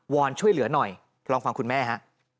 อนช่วยเหลือหน่อยลองฟังคุณแม่ฮะ